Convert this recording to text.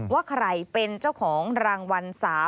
ว่าใครเป็นเจ้าของรางวัล๓